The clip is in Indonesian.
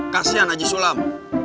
kasian haji sulam